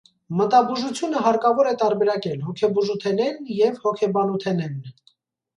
Մտաբուժութիւնը հարկաւոր է տարբերակել հոգեբուժութենէն եւ հոգեբանութենէն։